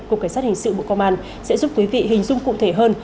cục cảnh sát hình sự bộ công an sẽ giúp quý vị hình dung cụ thể hơn